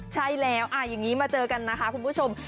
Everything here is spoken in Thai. ใช่แล้วอย่างนี้มาเจอกันนะคะคุณผู้ชม